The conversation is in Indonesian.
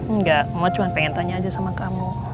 enggak mama cuma pengen tanya aja sama kamu